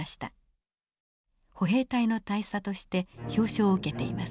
歩兵隊の大佐として表彰を受けています。